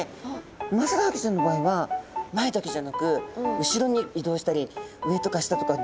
ウマヅラハギちゃんの場合は前だけじゃなく後ろに移動したり上とか下とか自在な泳ぎができるんですね。